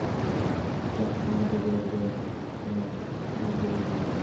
Jackson was a resident of Teaneck, New Jersey.